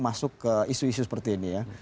masuk ke isu isu seperti ini ya